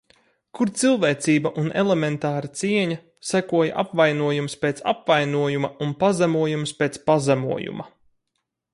Kur cilvēcība un elementāra cieņa? Sekoja apvainojums pēc apvainojuma un pazemojums pēc pazemojuma.